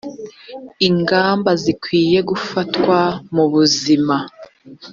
ingamba zikwiye gufatwa mu buzima